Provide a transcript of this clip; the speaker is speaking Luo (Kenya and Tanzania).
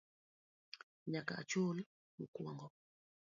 Nyaka achul mokwongo